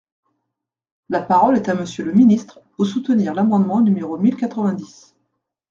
La parole est à Monsieur le ministre, pour soutenir l’amendement numéro mille quatre-vingt-dix.